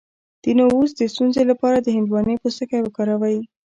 د نعوظ د ستونزې لپاره د هندواڼې پوستکی وخورئ